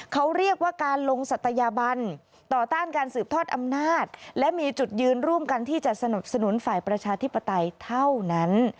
เขาเรียกว่าการลงศัตยาบันต่อต้านการสืบทอดอำนาจและมีจุดยืนร่วมกันที่จะสนับสนุนฝ่ายประชาธิปไตยเท่านั้น